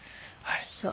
そう。